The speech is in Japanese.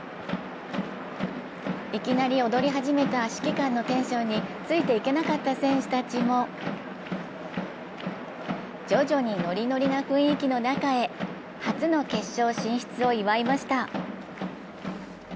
いきなり踊り始めた指揮官のテンションについていけなかった選手たちも徐々にノリノリな雰囲気の中へ初の決勝進出を祝いました。